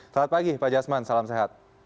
selamat pagi pak jasman salam sehat